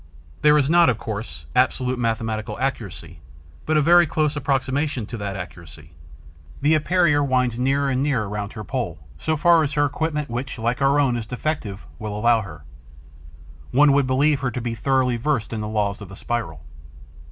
There is not, of course, absolute mathematical accuracy, but a very close approximation to that accuracy. The Epeira winds nearer and nearer round her pole, so far as her equipment, which, like our own, is defective, will allow her. One would believe her to be thoroughly versed in the laws of the spiral.